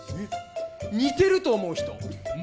似てると思う人○。